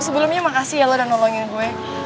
sebelumnya makasih ya lo dan nolongin gue